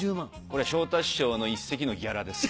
これは昇太師匠の１席のギャラです。